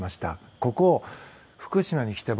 ここ、福島に来て僕